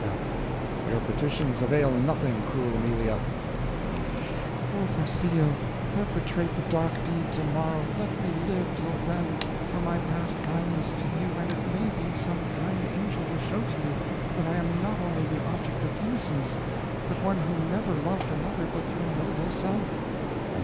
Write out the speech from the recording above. F. Your petitions avail nothing, cruel Amelia. A. Oh, Farcillo, perpetrate the dark deed tomorrow; let me live till then, for my past kindness to you, and it may be some kind angel will show to you that I am not only the object of innocence, but one who never loved another but your noble self.